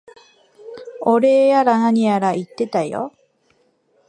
お礼やら何やら言ってたよ。